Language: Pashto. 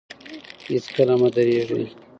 هېڅکله مه درېږئ.